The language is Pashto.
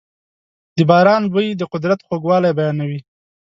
د باران بوی د قدرت خوږوالی بیانوي.